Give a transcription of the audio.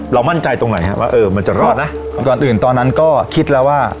มั่นใจตรงไหนฮะว่าเออมันจะรอดนะก่อนอื่นตอนนั้นก็คิดแล้วว่า